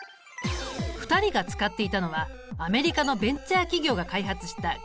２人が使っていたのはアメリカのベンチャー企業が開発した言語ＡＩ。